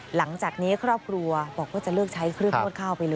หลังจากนี้ครอบครัวบอกว่าจะเลิกใช้เครื่องโมงข้าว